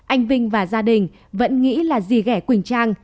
anh vinh và gia đình vẫn nghĩ là dì gẻ quỳnh trang